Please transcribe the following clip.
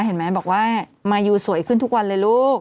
เห็นไหมบอกว่ามายูสวยขึ้นทุกวันเลยลูก